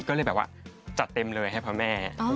ก็เลยจัดเต็มเลยให้พระแม่